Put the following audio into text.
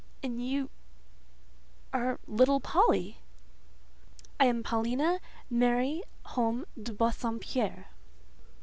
"And you are little Polly?" "I am Paulina Mary Home de Bassompierre."